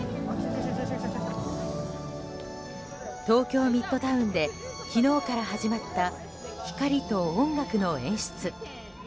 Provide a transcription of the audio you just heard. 東京ミッドタウンで昨日から始まった光と音楽の演出。